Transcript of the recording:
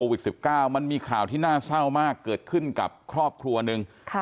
๑๙มันมีข่าวที่น่าเศร้ามากเกิดขึ้นกับครอบครัวหนึ่ง